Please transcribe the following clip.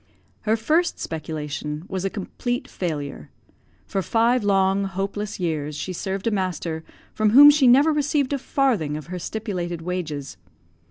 Her first speculation was a complete failure. For five long, hopeless years she served a master from whom she never received a farthing of her stipulated wages.